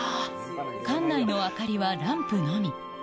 館内の明かりはランプのみ。